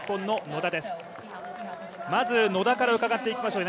まず野田から伺っていきましょう。